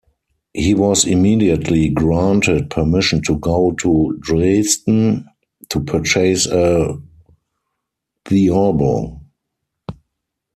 He was immediately granted permission to go to Dresden to purchase a theorbo.